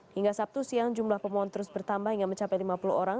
hingga sabtu siang jumlah pemohon terus bertambah hingga mencapai lima puluh orang